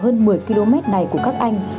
hơn một mươi km này của các anh